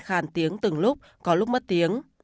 khàn tiếng từng lúc có lúc mất tiếng